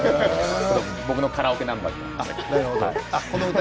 僕のカラオケナンバーです。